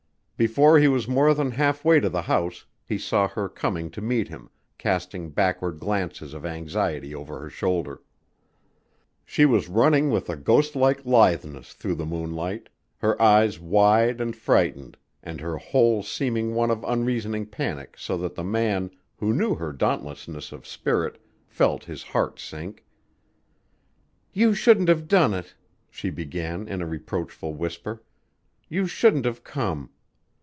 Before he was more than half way to the house he saw her coming to meet him, casting backward glances of anxiety over her shoulder. She was running with a ghostlike litheness through the moonlight, her eyes wide and frightened and her whole seeming one of unreasoning panic so that the man, who knew her dauntlessness of spirit, felt his heart sink. "You shouldn't have done it," she began in a reproachful whisper. "You shouldn't have come!"